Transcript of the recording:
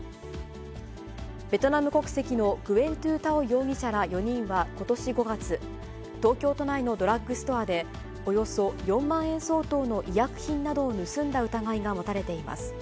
ベトナム国籍のグエン・トゥ・タオ容疑者ら４人は、ことし５月、東京都内のドラッグストアで、およそ４万円相当の医薬品などを盗んだ疑いが持たれています。